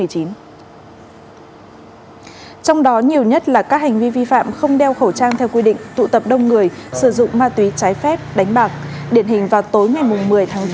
trong đó nhiều nhất là các hành vi vi phạm không đeo khẩu trang theo quy định tụ tập đông người sử dụng ma túy trái phép đánh bạc điện hình vào tối ngày một mươi tháng tám